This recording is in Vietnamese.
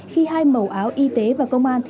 khi hai màu áo y tế và công an